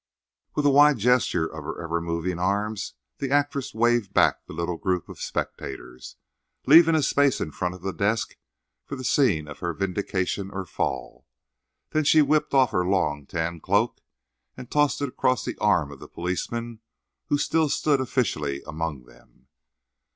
With a wide gesture of her ever moving arms the actress waved back the little group of spectators, leaving a space in front of the desk for the scene of her vindication or fall. Then she whipped off her long tan cloak and tossed it across the arm of the policeman who still stood officially among them.